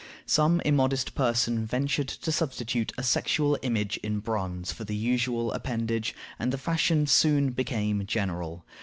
Some immodest person ventured to substitute a sexual image in bronze for the usual appendage, and the fashion soon became general.